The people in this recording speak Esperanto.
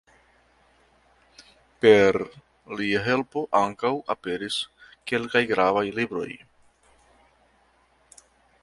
Per lia helpo ankaŭ aperis kelkaj gravaj libroj.